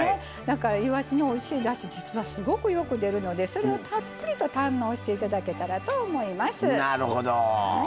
いわしの、おいしいだしすごく、よく出るのでそれをたっぷりと堪能していただけたらと思います。